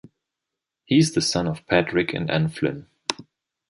He is the son of Patrick and Anne Flynn.